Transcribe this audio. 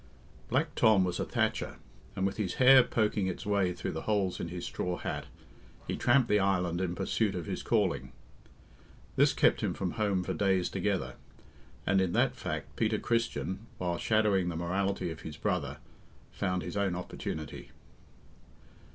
Black Tom was a thatcher, and with his hair poking its way through the holes in his straw hat, he tramped the island in pursuit of his calling. This kept him from home for days together, and in that fact Peter Christian, while shadowing the morality of his brother, found his own opportunity.